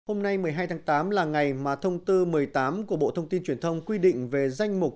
hôm nay một mươi hai tháng tám là ngày mà thông tư một mươi tám của bộ thông tin truyền thông quy định về danh mục